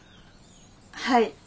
はい。